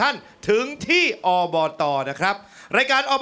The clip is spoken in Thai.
ออกออกออกออกออกออกออกออกออกออกออก